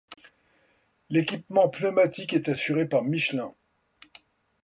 L'équipement pneumatique est assuré par Michelin.